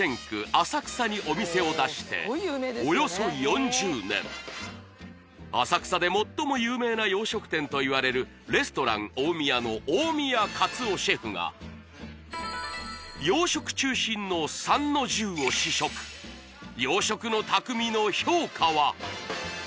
浅草にお店を出しておよそ４０年浅草で最も有名な洋食店といわれるレストランＯｍｉｙａの大宮勝雄シェフが洋食中心の参之重を試食洋食の匠の評価は？